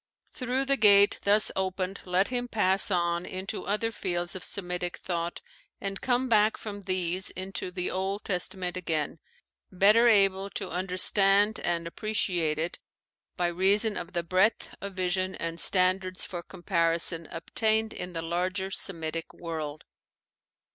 Through the gate thus opened let him pass on into other fields of Semitic thought and come back from these into 83 84 GUIDE TO STUDY OF CHRISTIAN RELIGION the Old Testament again, better able to understand and appreciate it by reason of the breadth of vision and standards for comparison obtained in the larger Semitic world.